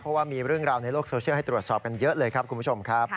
เพราะว่ามีเรื่องราวในโลกโซเชียลให้ตรวจสอบกันเยอะเลยครับคุณผู้ชมครับ